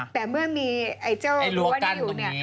แต่เมื่อมีเจ้าหัวได้อยู่เนี่ย